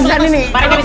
mari dari sini